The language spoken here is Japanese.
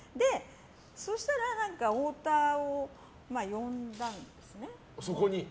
そしたら、太田を呼んだんですね。